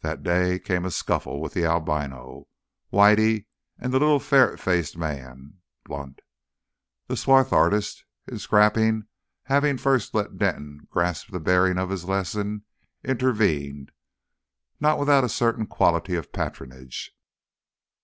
That day came a scuffle with the albino Whitey and the little ferret faced man. Blunt, the swart artist in scrapping, having first let Denton grasp the bearing of his lesson, intervened, not without a certain quality of patronage.